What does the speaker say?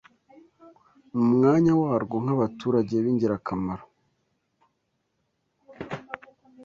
mu mwanya warwo nk’abaturage b’ingirakamaro